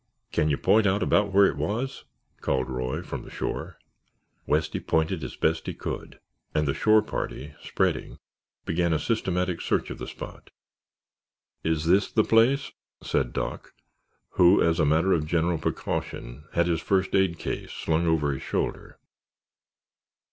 "Can you point out about where it was?" called Roy, from the shore. Westy pointed as best he could and the shore party, spreading, began a systematic search of the spot. "Is this the place?" said Doc who, as a matter of general precaution, had his first aid case slung over his shoulder.